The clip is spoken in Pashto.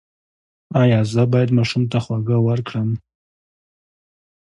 ایا زه باید ماشوم ته خواږه ورکړم؟